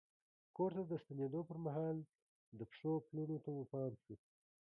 کور ته د ستنېدو پر مهال د پښو پلونو ته مو پام شو.